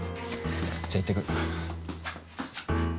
じゃあいってくる。